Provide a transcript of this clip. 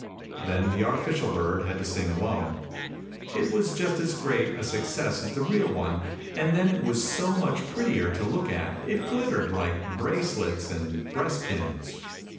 " Then the artificial bird had to sing alone. It was just as great a success as the real one, and then it was so much prettier to look at, it glittered like bracelets and breast pins.